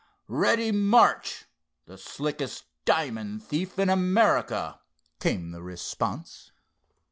"Reddy Marsh, the slickest diamond thief in America," came the response.